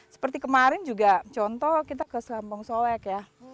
seperti kemarin juga contoh kita ke sambong soek ya